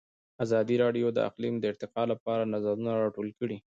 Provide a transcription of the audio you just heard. ازادي راډیو د اقلیم د ارتقا لپاره نظرونه راټول کړي.